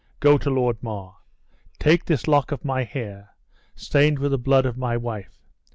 Go to Lord Mar; take this lock of my hair, stained with the blood of my wife.